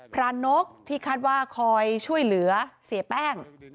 นกที่คาดว่าคอยช่วยเหลือเสียแป้ง